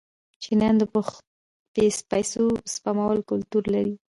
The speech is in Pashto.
چینایان د پیسو سپمولو کلتور لري.